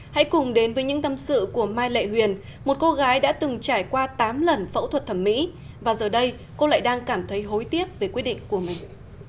hãy cùng đến với những tâm sự của mai lệ huyền một cô gái đã từng trải qua tám lần phẫu thuật thẩm mỹ và giờ đây cô lại đang cảm thấy hối tiếc về quyết định của mình